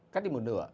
cắt đi một nửa